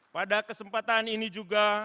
pada kesempatan ini juga